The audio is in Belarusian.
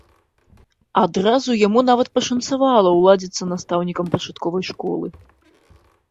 Адразу яму нават пашанцавала ўладзіцца настаўнікам пачатковай школы.